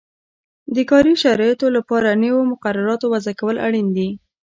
د کاري شرایطو لپاره نویو مقرراتو وضعه کول اړین دي.